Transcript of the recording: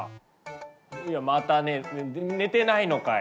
いやまた寝る寝てないのかい！